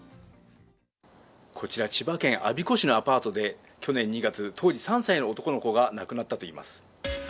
こちら千葉県我孫子市のアパートで去年２月当時３歳の男の子が亡くなったといいます。